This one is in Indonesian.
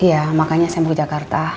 iya makanya saya mau ke jakarta